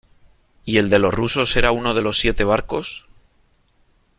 ¿ y el de los rusos era uno de los siete barcos ?